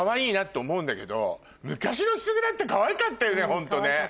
ホントね。